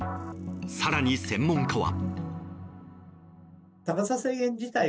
更に専門家は。